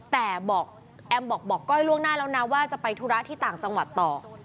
แต่บอกแอมบอกก้อยล่วงหน้าแล้วนะว่าจะไปธุระที่ต่างจังหวัดต่อ